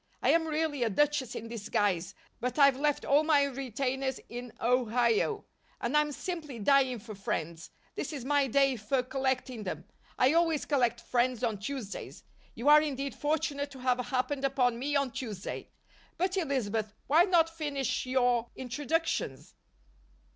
"I am really a Duchess in disguise, but I've left all my retainers in Ohio and I'm simply dying for friends. This is my day for collecting them I always collect friends on Tuesdays. You are indeed fortunate to have happened upon me on Tuesday. But, Elizabeth, why not finish your introductions?"